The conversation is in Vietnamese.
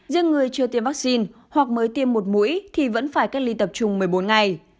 riêng người chưa tiêm vaccine hoặc mới tiêm một mũi thì vẫn phải cách ly tập trung một mươi bốn ngày